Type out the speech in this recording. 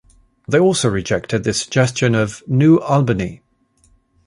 They also rejected the suggestion of 'New Albany'.